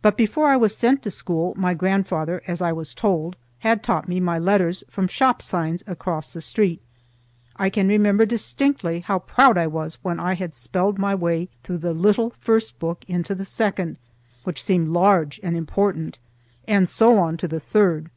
But before I was sent to school my grandfather, as I was told, had taught me my letters from shop signs across the street. I can remember distinctly how proud I was when I had spelled my way through the little first book into the second, which seemed large and important, and so on to the third.